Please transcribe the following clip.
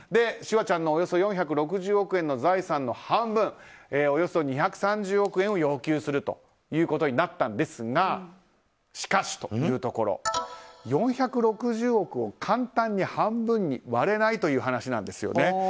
シュワちゃんのおよそ４６０億円の財産の半分およそ２３０億円を要求することになったんですが４６０億を簡単に半分に割れないという話なんですよね。